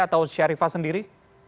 atau syarifah sendiri